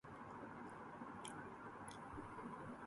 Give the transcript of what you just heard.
دیکھ اب وہ بھی اُتر آیا اداکاری پر